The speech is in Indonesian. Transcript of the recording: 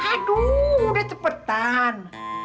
aduh udah cepetan